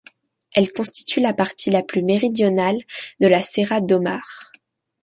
Elle constitue la partie la plus méridionale de la serra do Mar.